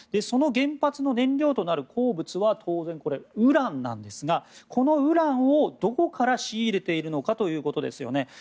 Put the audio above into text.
その原発の燃料となる鉱物は当然、ウランなんですがこのウランをどこから仕入れているのかということですよね。